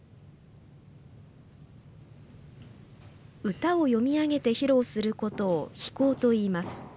歌を詠み上げて披露することを披講といいます。